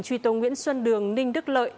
truy tố nguyễn xuân đường ninh đức lợi